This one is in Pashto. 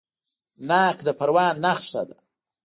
ناک د پروان نښه ده.